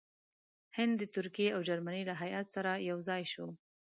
هغه د ترکیې او جرمني له هیات سره یو ځای شو.